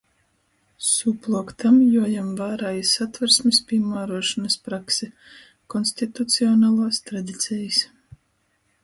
Sūpluok tam juojam vārā i Satversmis pīmāruošonys prakse, konstitucionaluos tradicejis